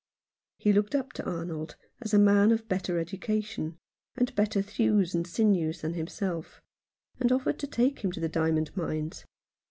He looked up to Arnold as a man of better education, and better thews and sinews than him self, and offered to take him to the diamond mines.